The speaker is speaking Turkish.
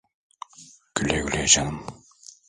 Güle güle canım.